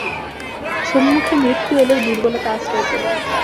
সম্মুখে মৃত্যু এলেও দুর্বলতা আশ্রয় কর না।